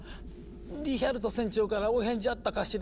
リヒャルト船長からお返事あったかしら？